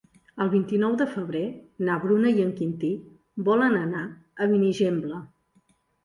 El vint-i-nou de febrer na Bruna i en Quintí volen anar a Benigembla.